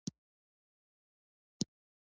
کائنات د انسان د ارمانونو ملاتړ کوي.